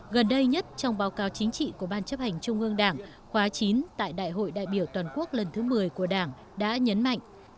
gần đây nhất trong báo cáo chính trị của ban chấp hành trung ương đảng khóa chín tại đại hội đại biểu toàn quốc lần thứ một mươi của đảng đã nhấn mạnh